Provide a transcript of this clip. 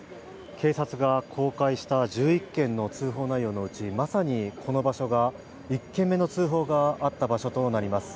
警察が公開した１１件の通報内容のうち、まさにこの場所が１件目の通報があった場所となります。